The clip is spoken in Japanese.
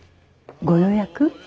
ご予約？